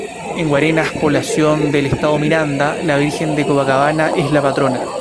En Guarenas, población del estado Miranda, la virgen de Copacabana es la patrona.